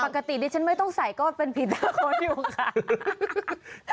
ปกติดิฉันไม่ต้องใส่ก็เป็นผีตาโคนอยู่ค่ะ